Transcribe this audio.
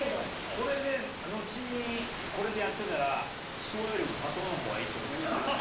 これでのちにこれでやってたら塩よりも砂糖の方がいいって事にはならないかな？